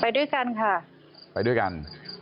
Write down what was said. ไปด้วยกันค่ะไปด้วยกัน